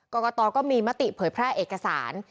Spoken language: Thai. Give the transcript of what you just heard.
กรกตก็มีมติเผยแพร่เอกสาร